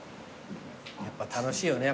やっぱ楽しいよね。